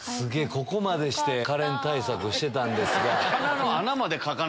ここまでしてカレン対策してたんですが。